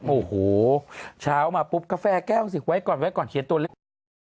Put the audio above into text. โอ้โหเช้ามาปุ๊บกาแฟแก้วสิไว้ก่อนไว้ก่อนเขียนตัวเล็ก